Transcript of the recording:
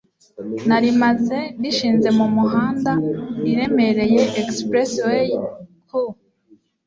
nari maze rishinze mu muhanda iremereye expressway ku